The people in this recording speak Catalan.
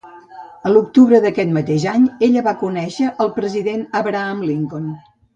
A l'octubre d'aquest mateix any, ella va conèixer el president Abraham Lincoln.